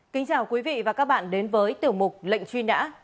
kính chào quý vị và các bạn đến với tiểu mục lệnh truy nã